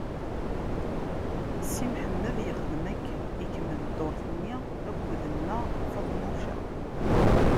Si Mḥemmed ixdem akken, ikemmel dduṛt-nni akk d Nna Feḍmuca.